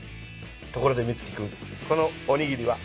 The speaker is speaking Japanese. ところでミツキ君このおにぎりは？